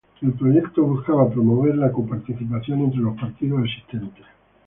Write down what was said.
El proyecto buscaba promover la coparticipación entre los partidos existentes.